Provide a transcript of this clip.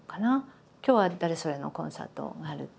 今日は誰それのコンサートがあるって。